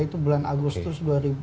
itu bulan agustus dua ribu